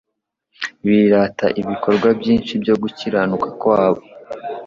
birata ibikorwa byinshi byo gukiranuka kwabo.